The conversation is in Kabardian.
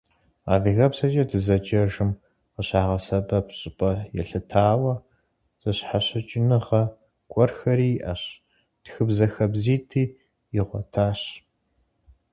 Адыгэбзэкӏэ дызэджэжым къыщагъэсэбэп щӏыпӏэ елъытауэ, зыщхьэщыкӏыныгъэ гуэрхэри иӏэщ, тхыбзэ хабзитӏи игъуэтащ.